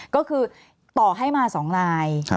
ก็คือต่อให้มา๒นาย